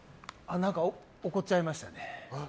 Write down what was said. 何か怒っちゃいましたね。